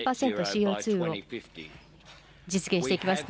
ＣＯ２を実現していきます。